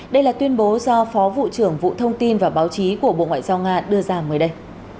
đây là tuyên bố do phó vụ trưởng vụ thông tin và báo chí của bộ ngoại giao nga đưa ra mới đây